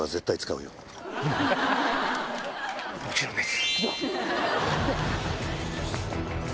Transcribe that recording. もちろんです。